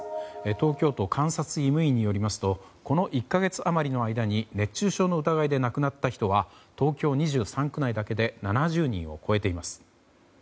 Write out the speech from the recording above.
東京都監察医務院によりますとこの１か月余りの間に熱中症の疑いで亡くなった人は東京２３区内だけで７０人を超えています。